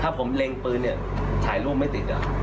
ถ้าผมเล็งปืนถ่ายรูปไม่ติดอ่ะ